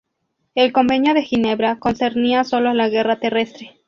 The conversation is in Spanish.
El Convenio de Ginebra concernía solo a la guerra terrestre.